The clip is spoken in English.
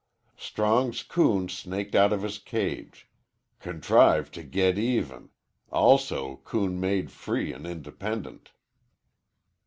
"Strong's coon snaked out of his cage contrived to git even also coon made free and independent."